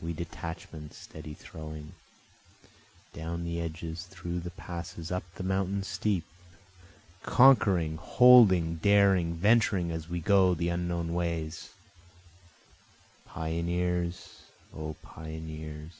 We detachments steady throwing, Down the edges, through the passes, up the mountains steep, Conquering, holding, daring, venturing as we go the unknown ways, Pioneers! O pioneers!